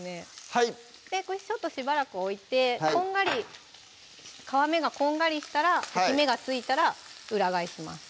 はいちょっとしばらく置いてこんがり皮目がこんがりしたら焼き目がついたら裏返します